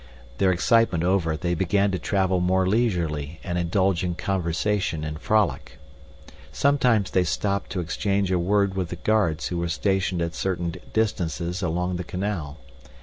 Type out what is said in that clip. This excitement over, they began to travel more leisurely and indulge in conversation and frolic. Sometimes they stopped to exchange a word with the guards who were stationed at certain distances along the canal.